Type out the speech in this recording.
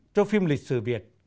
cho phim lịch sử việt